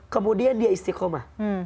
kemudian dia istiqomah